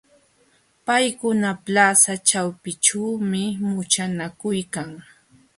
Paykuna plaza ćhawpinćhuumi muchanakuykan.